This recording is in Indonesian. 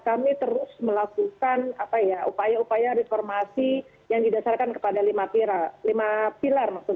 kami terus melakukan upaya upaya reformasi yang didasarkan kepada lima pilar maksudnya